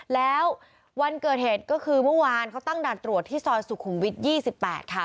แล้ววันเกิดเหตุก็คือเมื่อวานเขาตั้งด่านตรวจที่ซอยสุขุมวิท๒๘ค่ะ